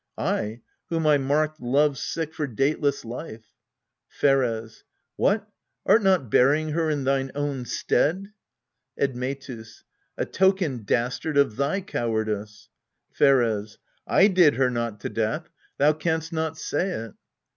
Ay, whom I marked love sick for dateless life. Pheres. What ? art not burying her in thine own stead ? Admetus. A token, dastard, of thy cowardice. Pheres. I did her not to death : thou canst not say it.